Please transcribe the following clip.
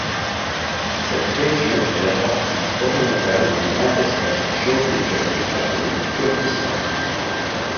Cette région est la partie orientale du grand espace géo-culturel appelé Kurdistan.